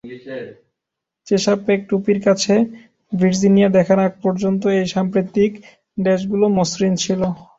Chesapeake টুপির কাছে "Virginia" দেখার আগ পর্যন্ত এই সাম্প্রতিক ড্যাশগুলো মসৃণ ছিল।